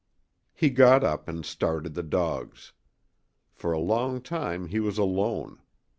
He got up and started the dogs. For a long time he was alone.